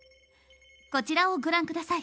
こちらをご覧下さい。